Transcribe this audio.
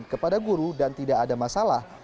kepada guru dan tidak ada masalah